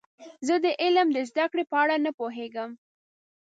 زه د علم د زده کړې په اړه نه پوهیږم.